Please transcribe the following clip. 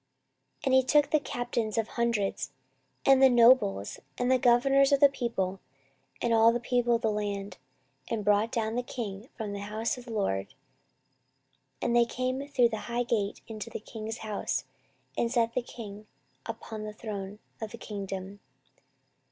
14:023:020 And he took the captains of hundreds, and the nobles, and the governors of the people, and all the people of the land, and brought down the king from the house of the LORD: and they came through the high gate into the king's house, and set the king upon the throne of the kingdom.